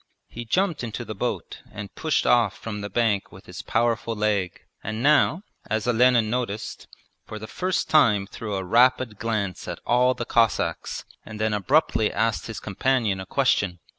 He jumped into the boat and pushed off from the bank with his powerful leg, and now, as Olenin noticed, for the first time threw a rapid glance at all the Cossacks and then abruptly asked his companion a question.